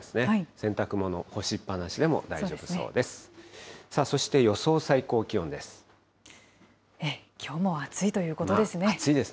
洗濯物、干しっ放しでも大丈夫そうです。